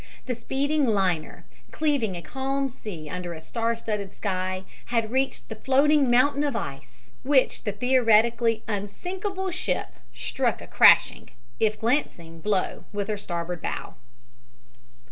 The speeding liner, cleaving a calm sea under a star studded sky, had reached the floating mountain of ice, which the theoretically "unsinkable" ship struck a crashing, if glancing, blow with her starboard bow.